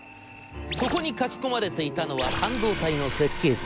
そこに書き込まれていたのは半導体の設計図。